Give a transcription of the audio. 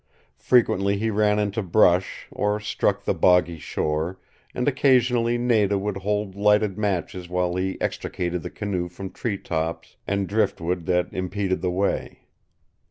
Frequently he ran into brush, or struck the boggy shore, and occasionally Nada would hold lighted matches while he extricated the canoe from tree tops and driftwood that impeded the way.